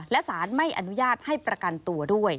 และสารไม่อนุญาตให้ประกันตัวด้วย